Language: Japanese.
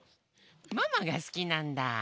ママが好きなんだ。